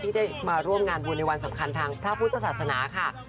ที่ได้มาร่วมงานบุญในวันสำคัญทางพระพุทธศาสนาค่ะ